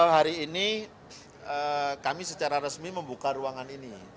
hari ini kami secara resmi membuka ruangan ini